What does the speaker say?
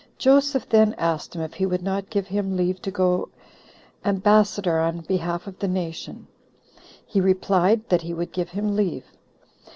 Joseph then asked him if he would not give him leave to go ambassador on behalf of the nation. He replied, that he would give him leave.